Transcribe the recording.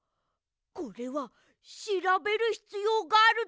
これはしらべるひつようがあるぞ！